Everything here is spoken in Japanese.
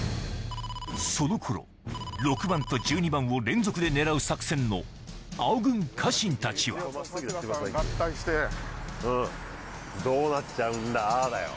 その頃６番と１２番を連続で狙う作戦の青軍家臣たちは「どうなっちゃうんだ」だよ。